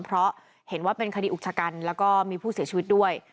เพราะเห็นว่าเป็นคดีอุกชะกันแล้วก็มีผู้เสียชีวิตด้วย